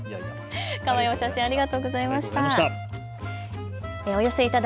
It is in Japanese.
かわいいお写真、ありがとうございました。